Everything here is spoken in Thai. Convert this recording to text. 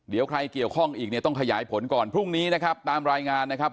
เดี๋ยวใครเกี่ยวข้องอีกเนี่ยต้องขยายผลก่อนพรุ่งนี้นะครับตามรายงานนะครับ